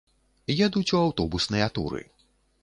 Едуць у аўтобусныя туры.